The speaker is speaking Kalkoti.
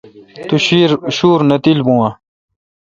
تو شُور نہ تیل بُون آں؟